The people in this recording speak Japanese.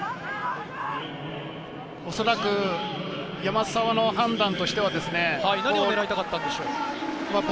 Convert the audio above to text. おそらく山沢の判断としては。何を狙いたかったんでしょう？